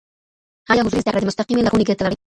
ايا حضوري زده کړه د مستقيمې لارښووني ګټه لري؟